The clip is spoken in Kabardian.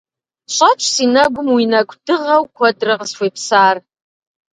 Щӏэтщ си нэгум уи нэкӏу дыгъэу куэдрэ къысхуепсар.